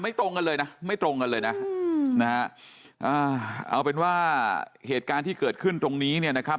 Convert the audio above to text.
ตรงกันเลยนะไม่ตรงกันเลยนะอืมนะฮะอ่าเอาเป็นว่าเหตุการณ์ที่เกิดขึ้นตรงนี้เนี่ยนะครับ